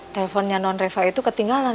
teleponnya non reva itu ketinggalan